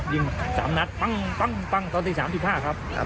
ยิง๓นัดปั๊งปั๊งปั๊งตอนที่๓ที่๕ครับ